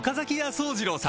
惣次郎さん